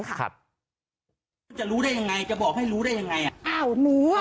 คุณจะรู้ได้ยังไงจะบอกให้รู้ได้ยังไงอ่ะอ้าวหนูอ่ะ